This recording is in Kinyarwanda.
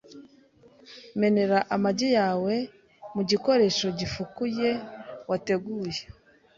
Menera amagi yawe mu gikoresho gifukuye wateguye,